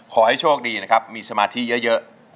ขอให้โชคดีนะครับมีสมาธิเยอะ